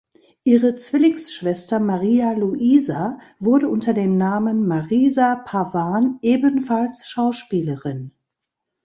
Ihre Zwillingsschwester Maria Luisa wurde unter dem Namen Marisa Pavan ebenfalls Schauspielerin.